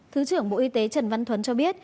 thứ trưởng bộ y tế trần văn thuấn cho biết